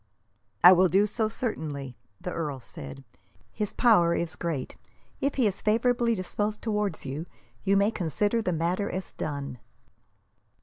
"I will do so, certainly," the earl said. "His power is great. If he is favourably disposed towards you, you may consider the matter as done."